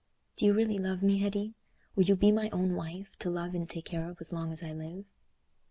"Do you really love me, Hetty? Will you be my own wife, to love and take care of as long as I live?"